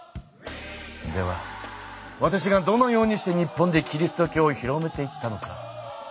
ではわたしがどのようにして日本でキリスト教を広めていったのか。